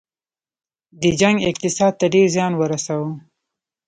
دې جنګ اقتصاد ته ډیر زیان ورساوه.